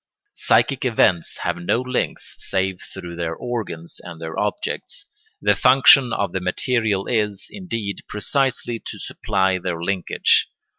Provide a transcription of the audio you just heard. _ Psychic events have no links save through their organs and their objects; the function of the material world is, indeed, precisely to supply their linkage.